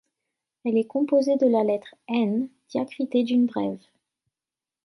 Elle est composée de la lettre N diacritée d’une brève.